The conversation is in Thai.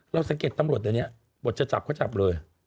เราสังเกตตำรวจอย่างเนี่ยบทจะจับก็จับเลย